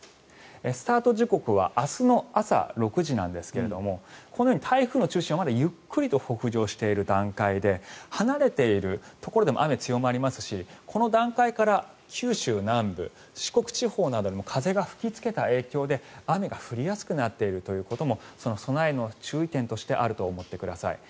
スタート時刻は明日の朝６時なんですがこのように台風の中心はまだゆっくりと北上している段階で離れているところでも雨が強まりますしこの段階から九州南部、四国地方でも風が吹きつけた影響で雨が降りやすくなっているということも備えの注意点としてあると思ってください。